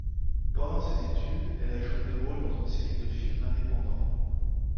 Pendant ses études, elle a joué des rôles dans une série de films indépendants.